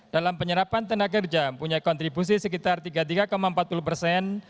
dalam penyerapan tenaga kerja punya kontribusi sekitar tiga puluh tiga empat puluh persen